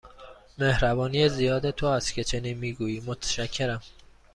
مهربانی زیاد تو است که چنین می گویی، متشکرم.